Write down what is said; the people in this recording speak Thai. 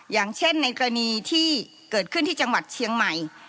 อย่างเช่นในกรณีที่เกิดขึ้นที่จังหวัดเชียงใหม่